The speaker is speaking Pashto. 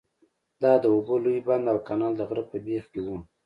دا د اوبو لوی بند او کانال د غره په بیخ کې وو.